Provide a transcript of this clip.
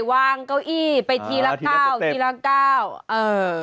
วางเก้าอี้ไปทีละก้าวทีนั้นจะเต็ม